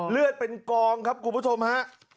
เลือดเป็นกองครับคุณผู้ชมฮะ